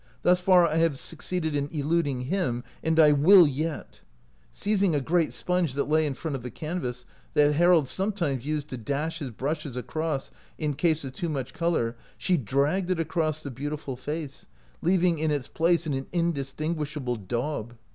Thus far I have succeeded in eluding him, and J will yet" Seizing a great sponge that lay in front of the canvas, that Harold sometimes used to dash his brushes across in case of too much color, she dragged it across the beautiful face, leaving in its place an indistinguishable daub.